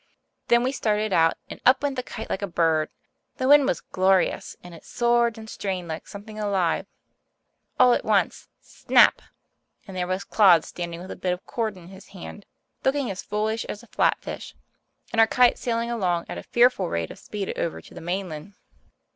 Then we started out, and up went the kite like a bird. The wind was glorious, and it soared and strained like something alive. All at once snap! And there was Claude, standing with a bit of cord in his hand, looking as foolish as a flatfish, and our kite sailing along at a fearful rate of speed over to the mainland.